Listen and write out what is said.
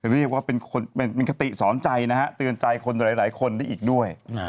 เรียกว่าเป็นคติสอนใจนะฮะเตือนใจคนหลายคนได้อีกด้วย